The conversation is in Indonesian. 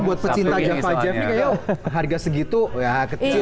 ini buat pecinta java jive ini kayaknya harga segitu ya kecil